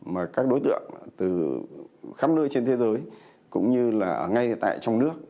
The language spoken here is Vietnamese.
mà các đối tượng từ khắp nơi trên thế giới cũng như là ở ngay tại trong nước